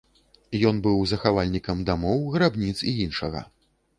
Ён быў захавальнікам дамоў, грабніц і іншага.